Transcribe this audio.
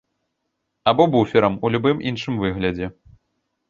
Або буферам у любым іншым выглядзе?